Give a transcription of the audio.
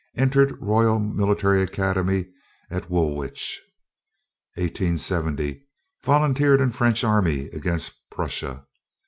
Entered Royal Military Academy, at Woolwich. 1870. Volunteered in French army against Prussia.